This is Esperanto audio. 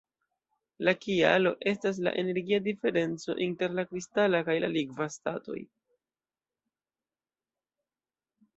La kialo estas la energia diferenco inter la kristala kaj la likva statoj.